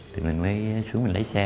thì mình mới xuống mình lấy xe